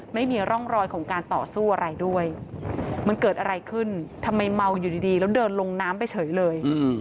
ไม่มีร่องรอยของการต่อสู้อะไรด้วยมันเกิดอะไรขึ้นทำไมเมาอยู่ดีแล้วเดินลงน้ำไปเฉยเลย